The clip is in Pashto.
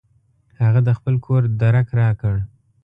هغه د خپل کور درک راکړ.